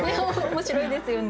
面白いですよね。